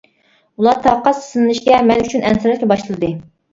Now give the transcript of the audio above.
ئۇلار تاقەتسىزلىنىشكە، مەن ئۈچۈن ئەنسىرەشكە باشلىدى.